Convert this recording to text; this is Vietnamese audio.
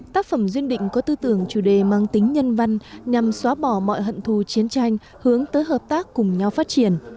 tác phẩm duyên định có tư tưởng chủ đề mang tính nhân văn nhằm xóa bỏ mọi hận thù chiến tranh hướng tới hợp tác cùng nhau phát triển